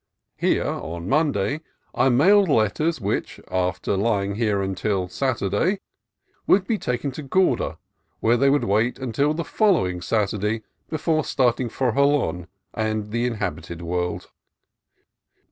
Here (on Monday) I mailed letters which, after lying here until Saturday, would be taken to Gorda, where they would wait until the following Saturday before starting for Jolon and the inhabited world.